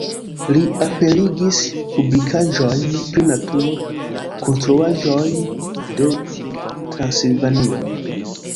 Li aperigis publikaĵojn pri naturo, konstruaĵoj de Transilvanio.